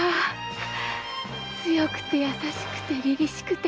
強くて優しくて凛々しくて。